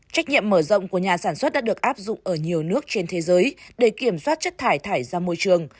trách nhiệm mở rộng của nhà sản xuất đã được áp dụng ở nhiều nước trên thế giới để kiểm soát chất thải thải ra môi trường